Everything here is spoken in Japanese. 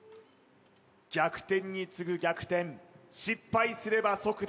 逆転に次ぐ逆転失敗すれば即